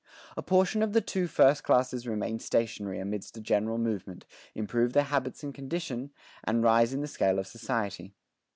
A portion of the two first classes remain stationary amidst the general movement, improve their habits and condition, and rise in the scale of society.